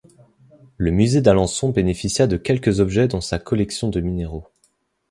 Le musée d’Alençon bénéficia de quelques objets dont sa collection de minéraux.